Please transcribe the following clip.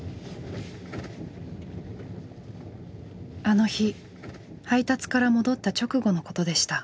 あの日配達から戻った直後のことでした。